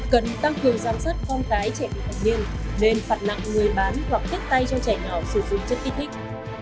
cần tăng cường giám sát phong tái trẻ bị khẩn nhiên nên phạt nặng người bán hoặc kết tay cho trẻ nào sử dụng chất kích thích